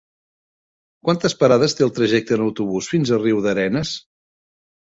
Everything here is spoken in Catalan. Quantes parades té el trajecte en autobús fins a Riudarenes?